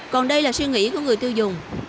còn đây là suy nghĩ của người tiêu dùng